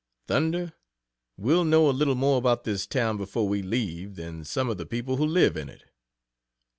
Thunder! we'll know a little more about this town, before we leave, than some of the people who live in it.